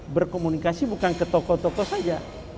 berkomunikasi bukan ke tokoh tokoh saja